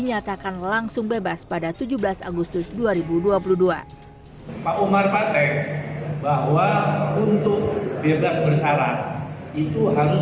nyatakan langsung bebas pada tujuh belas agustus dua ribu dua puluh dua pak umar partai bahwa untuk bebas bersalah itu harus